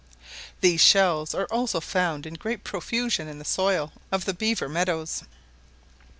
These shells are also found in great profusion in the soil of the Beaver meadows.